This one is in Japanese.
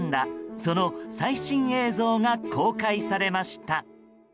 その最新映像が公開されました。